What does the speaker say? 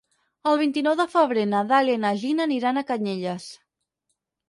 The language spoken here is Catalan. El vint-i-nou de febrer na Dàlia i na Gina aniran a Canyelles.